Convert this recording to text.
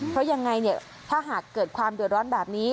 เพราะยังไงเนี่ยถ้าหากเกิดความเดือดร้อนแบบนี้